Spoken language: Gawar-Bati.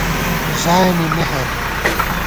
ژایَنی مِہر